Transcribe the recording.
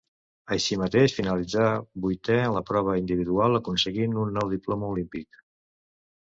Així mateix finalitzà vuitè en la prova individual, aconseguint un nou diploma olímpic.